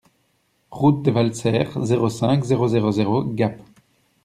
Route de Valserres, zéro cinq, zéro zéro zéro Gap